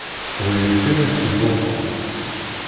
S teqbaylit kan i tettzuxxumt.